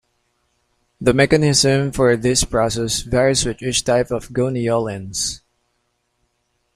The mechanism for this process varies with each type of goniolens.